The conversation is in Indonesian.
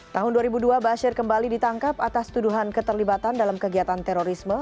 tahun dua ribu dua bashir kembali ditangkap atas tuduhan keterlibatan dalam kegiatan terorisme